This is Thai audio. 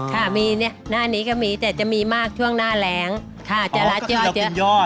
ค่ะมีเนี่ยหน้านี้ก็มีแต่จะมีมากช่วงหน้าแรงค่ะจะรัดยอดเยอะอ๋อก็คือเรากินยอด